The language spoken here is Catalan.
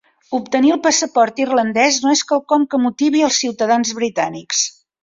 Obtenir el passaport irlandès no és quelcom que motivi als ciutadans britànics